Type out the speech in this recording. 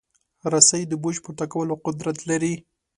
رسۍ د بوج پورته کولو قدرت لري.